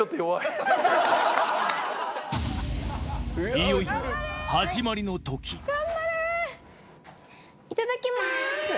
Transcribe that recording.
いよいよ始まりの時いただきます。